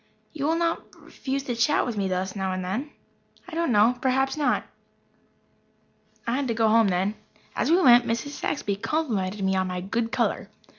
"You will not refuse to chat with me thus now and then?" "I don't know. Perhaps not." I had to go home then. As we went Mrs. Saxby complimented me on my good colour.